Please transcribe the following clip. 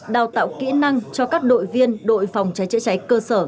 đào tạo kỹ năng cho các đội viên đội phòng cháy chữa cháy cơ sở